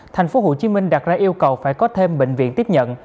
tp hcm đặt ra yêu cầu phải có thêm bệnh viện tiếp nhận